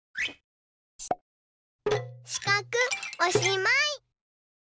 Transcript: しかくおしまい。